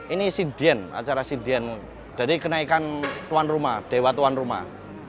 ini sindien acara sindian dari kenaikan tuan rumah dewa tuan rumah